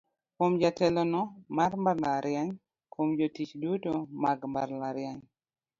"Kuom: Jatelono mar mbalariany Kuom: Jotich duto mag mbalariany".